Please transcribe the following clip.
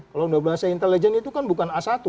kalau sudah berbahasa intelijen itu kan bukan a satu c tiga itu